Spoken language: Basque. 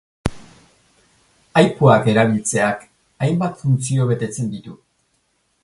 Aipuak erabiltzea hainbat funtzio betetzen ditu.